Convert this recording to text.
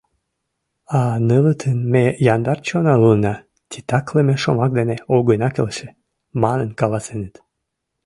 А нылытын «ме яндар чонан улына, титаклыме шомак дене огына келше» манын каласеныт.